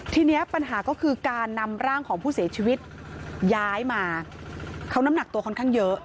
ทีนี้ปัญหาก็คือการนำร่างของผู้เสียชีวิตย้ายมาเขาน้ำหนักตัวค่อนข้างเยอะ